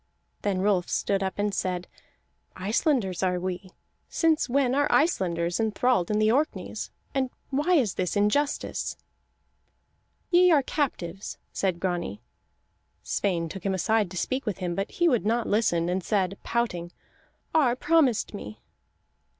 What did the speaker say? Then Rolf stood up and said: "Icelanders are we. Since when are Icelanders enthralled in the Orkneys, and why is this injustice?" "Ye are captives," said Grani. Sweyn took him aside to speak with him; but he would not listen, and said, pouting: "Ar promised me."